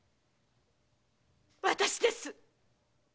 私です！